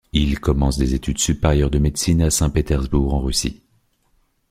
Il commence des études supérieures de médecine à Saint-Pétersbourg en Russie.